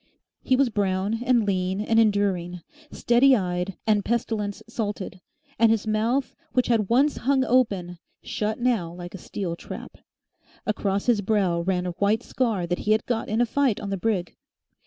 He was brown and lean and enduring, steady eyed and pestilence salted, and his mouth, which had once hung open, shut now like a steel trap. Across his brow ran a white scar that he had got in a fight on the brig.